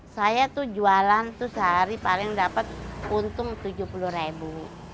saya tuh jualan tuh sehari paling dapat untung tujuh puluh ribu